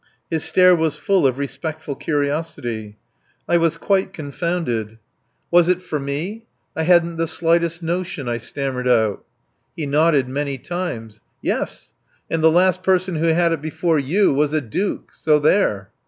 His stare was full of respectful curiosity. I was quite confounded. "Was it for me? I hadn't the slightest notion," I stammered out. He nodded many times. "Yes. And the last person who had it before you was a Duke. So, there!"